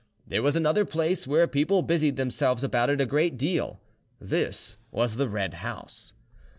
There was another place where people busied themselves about it a great deal—this was the Red House.